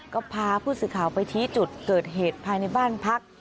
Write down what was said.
ก็พาผู้สื่อข่าวไปที่จุดเกิดเหตุภายในบ้านพัก